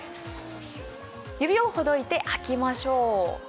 指をほどいて吐きましょう。